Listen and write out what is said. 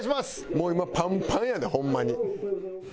もう今パンパンやでホンマに。